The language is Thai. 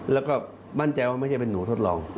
แล้วก็มั่นใจว่าไม่ใช่เป็นหนูทดลอง